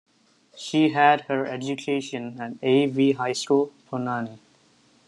She had her education at A. V. High School, Ponani.